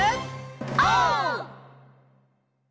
オー！